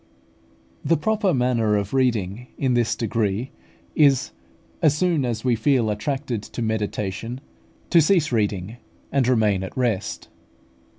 The proper manner of reading in this degree is, as soon as we feel attracted to meditation, to cease reading, and remain at rest.